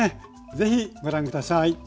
是非ご覧下さい。